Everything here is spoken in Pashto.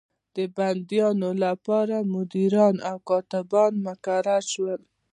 د بندیانو لپاره مدیران او کاتبان مقرر شوي وو.